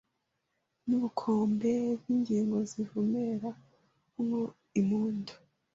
N’ubukombe bw’ingingo Zivumera mo impundu